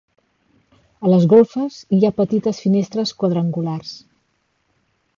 A les golfes hi ha petites finestres quadrangulars.